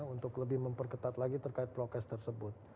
untuk lebih memperketat lagi terkait prokes tersebut